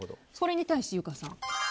それに対して、ゆかさん。